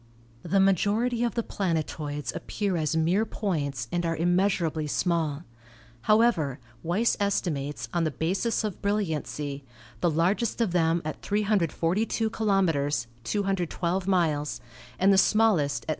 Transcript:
The majority of the planetoids appear as mere points and are immeasurably small. However, Weiss estimates, on the basis of brilliancy, the largest of them at 342 kilome ters (212 miles) and the smallest at 16.